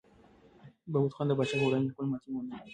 بهبود خان د پاچا په وړاندې خپله ماتې ومنله.